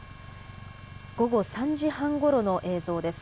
午後３時半ごろの映像です。